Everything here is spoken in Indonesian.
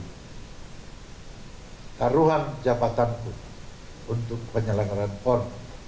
pertama taruhan jabatanku untuk penyelenggaraan pon dua ribu dua puluh satu